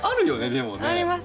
でもね。あります。